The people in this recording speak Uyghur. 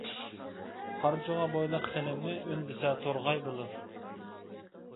قارچۇغا بويلۇق خېنىمنى، ئۈندىسە تورغاي بولۇر.